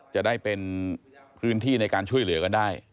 จะได้เป็นพื้นที่ในการช่วยเหลือกันได้